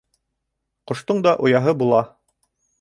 Ҡоштоң да ояһы була.